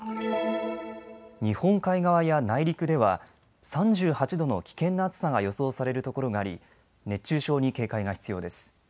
日本海側や内陸では３８度の危険な暑さが予想されるところがあり熱中症に警戒が必要です。